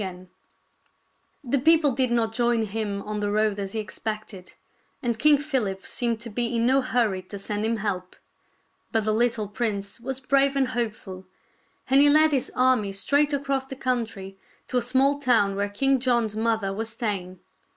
KING JOHN AND PRINCE ARTHUR III The people did not join him on the road as he expected, and King PhiHp seemed to be in no hurry to send him help. But the little prince was brave and hopeful, and he led his army straight across the couhtry to a small town where King John's mother' was staying.